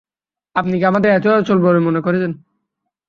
আপনি কি আমাদের এতই অচল বলে মনে করেন?